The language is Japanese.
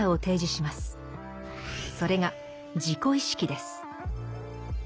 それが「自己意識」です。